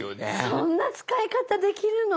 そんな使い方できるの！